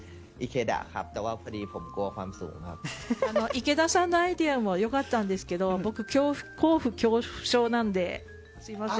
池田さんのアイデアも良かったんですけど僕、高所恐怖症なのですみません。